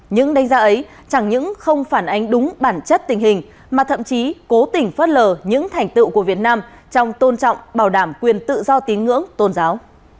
những đánh giá ấy chẳng những không phản ánh đúng bản chất tình hình mà thậm chí cố tình phớt lờ những thành tựu của việt nam trong tôn trọng bảo đảm quyền tự do tín ngưỡng tôn giáo